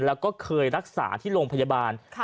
แล้วก็เคยรักษาที่โรงพยาบาล